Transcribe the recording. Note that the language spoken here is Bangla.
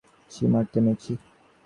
ছি, মারতে নেই, ছি!